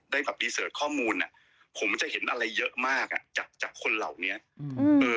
ได้แบบความมูลน่ะผมจะเห็นอะไรเยอะมากอ่ะจากจากคนเหล่านี้อืม